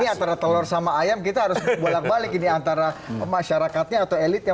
antara telur sama ayam kita harus bolak balik ini antara masyarakatnya atau elitnya